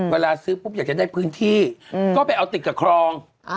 เวลาซื้อปุ๊บอยากจะได้พื้นที่ก็ไปเอาติดกับคลอง